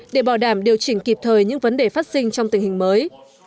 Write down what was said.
để bảo đảm điều chỉnh kịp thời những vấn đề phát sinh trong tình hình mới